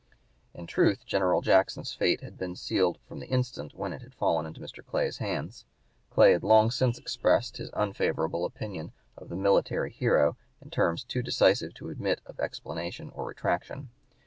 In truth, General Jackson's fate had been sealed from the instant when it had fallen into Mr. Clay's hands. Clay had long since expressed his unfavorable opinion of the "military hero," in terms too decisive to admit of explanation or retraction.